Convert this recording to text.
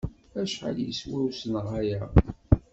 Acḥal yeswa usenɣay-a?